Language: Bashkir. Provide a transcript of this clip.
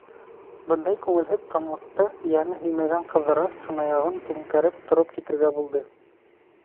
Бындай күңелһеҙ тынлыҡты йәне һөймәгән Ҡыҙырас сынаяғын түңкәреп тороп китергә булды.